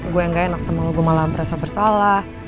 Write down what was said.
gue yang gak enak sama gue malah merasa bersalah